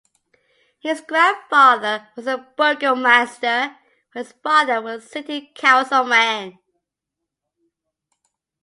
His grandfather was the burgomaster, while his father was a city councilman.